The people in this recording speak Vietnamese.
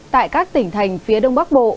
tại các tỉnh thành phía đông bắc bộ